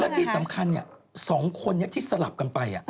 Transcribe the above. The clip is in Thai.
แล้วที่สำคัญสองคนที่สลับกันไป